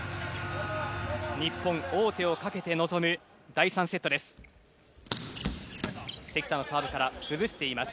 日本、王手をかけて臨む第３セットです。